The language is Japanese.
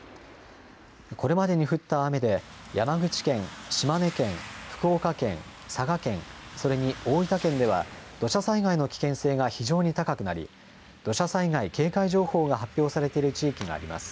これまでに降った雨で、山口県、島根県、福岡県、佐賀県、それに大分県では、土砂災害の危険性が非常に高くなり、土砂災害警戒情報が発表されている地域があります。